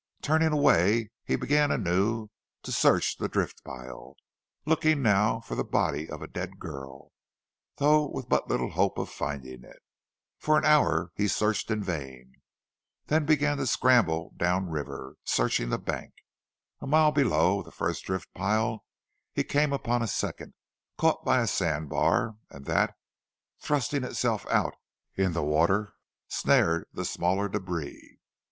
Turning away he began anew to search the drift pile, looking now for the body of a dead girl, though with but little hope of finding it. For an hour he searched in vain, then began to scramble down river, searching the bank. A mile below the first drift pile he came upon a second, caught by a sand bar, that, thrusting itself out in the water, snared the smaller debris.